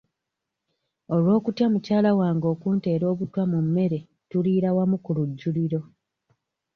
Olw'okutya mukyala wange okunteera obutwa mu mmere tuliira wamu ku lujjuliro.